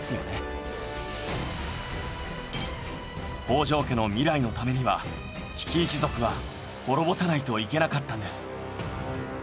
北条家の未来のためには比企一族は滅ぼさないといけなかったんです。